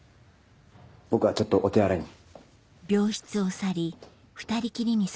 僕はちょっとお手洗いに。